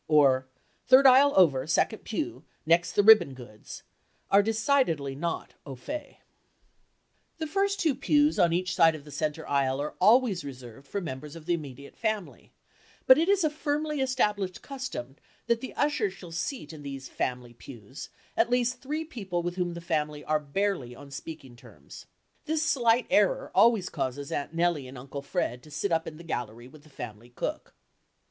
or "Third aisle over—second pew—next the ribbon goods," are decidedly non au fait. The first two pews on each side of the center aisle are always reserved for members of the immediate family, but it is a firmly established custom that the ushers shall seat in these "family pews" at least three people with whom the family are barely on speaking terms. This slight error always causes Aunt Nellie and Uncle Fred to sit up in the gallery with the family cook.